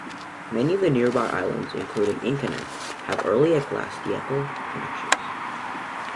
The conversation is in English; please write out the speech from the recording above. Many of the nearby islands, including Inchkenneth, have early ecclesiastical connections.